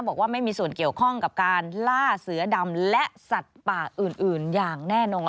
บอกว่าไม่มีส่วนเกี่ยวข้องกับการล่าเสือดำและสัตว์ป่าอื่นอย่างแน่นอน